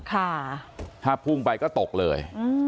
ค่ะถ้าพุ่งไปก็ตกเลย